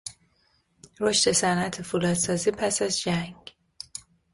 رشد صنعت فولاد سازی پس از جنگ